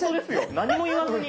何も言わずに。